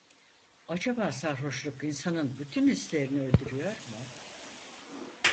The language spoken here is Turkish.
Acaba sarhoşluk insanın bütün hislerini öldürüyor mu?